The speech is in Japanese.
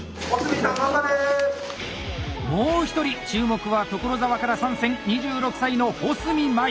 もう一人注目は所沢から参戦２６歳の保住真衣！